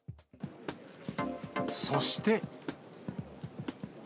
そして。